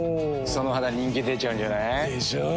その肌人気出ちゃうんじゃない？でしょう。